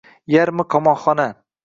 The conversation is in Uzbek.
Yarmi qamoqxona